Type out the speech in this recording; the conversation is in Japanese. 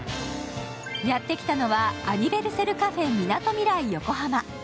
やってきたのはアニヴェルセルカフェみなとみらい横浜。